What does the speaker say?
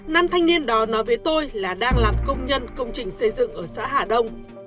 nam thanh niên đó nói với tôi là đang làm công nhân công trình xây dựng ở xã hà đông